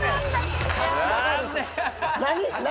何？